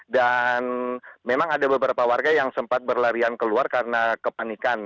dan memang ada beberapa warga yang sempat berlarian keluar karena kepanikan